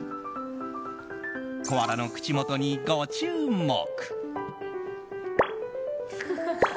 コアラの口元にご注目。